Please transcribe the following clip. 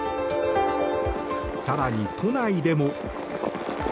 更に、都内でも。